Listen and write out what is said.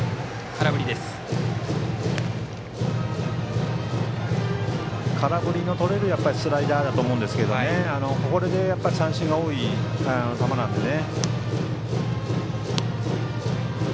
空振りのとれるスライダーだと思うんですけどこれで三振が多い球なのでね。